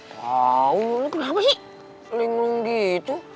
wow lu kenapa sih ling ling gitu